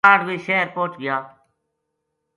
کاہڈ ویہ شہر پوہچ گیا